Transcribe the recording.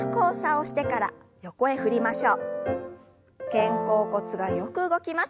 肩甲骨がよく動きます。